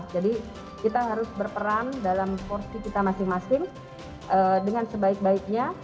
jadi kita harus berperan dalam porsi kita masing masing dengan sebaik baiknya